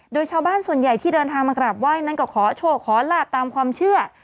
โดยชาวบ้านส่วนใหญ่ที่เดินทางมากราบไหว้นั้นก็ขอโชคขอลาบตามความเชื่อ